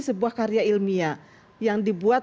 sebuah karya ilmiah yang dibuat